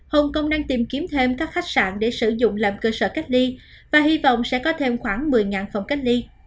hồng kông đang tìm kiếm thêm các khách sạn để sử dụng làm cơ sở cách ly và hy vọng sẽ có thêm khoảng một mươi phòng cách ly